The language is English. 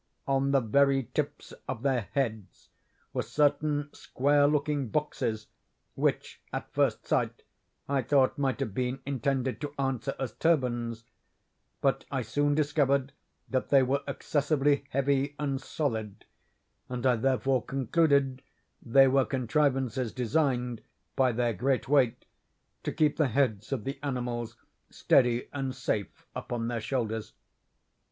On the very tips of their heads were certain square looking boxes, which, at first sight, I thought might have been intended to answer as turbans, but I soon discovered that they were excessively heavy and solid, and I therefore concluded they were contrivances designed, by their great weight, to keep the heads of the animals steady and safe upon their shoulders.